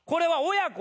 親子！